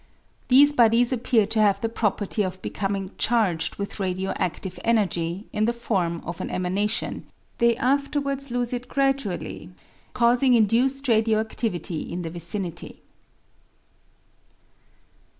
These bodies appear to have the property of becoming charged with radio adive energy in the form of an emanation ; they afterwards lose it gradually, causing induced radio adivity in the vicinity.